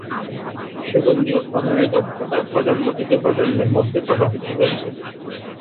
সুগন্ধি উৎপাদনের দক্ষতা প্রজন্ম থেকে প্রজন্মের মধ্যে প্রবাহিত হয়েছে।